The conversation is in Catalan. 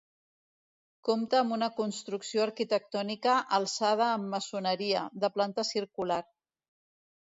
Compta amb una construcció arquitectònica alçada amb maçoneria, de planta circular.